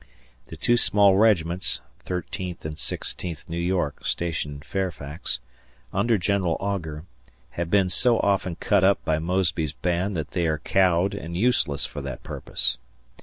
The two small regiments (Thirteenth and Sixteenth New York, stationed in Fairfax) under General Augur, have been so often cut up by Mosby's band that they are cowed and useless for that purpose.